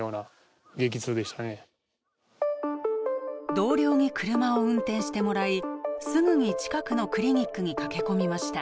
同僚に車を運転してもらいすぐに近くのクリニックに駆け込みました。